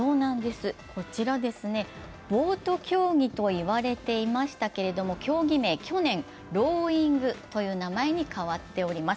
こちら、ボート競技と言われていましたけれども、競技名、去年「ローイング」という名前に変わっています。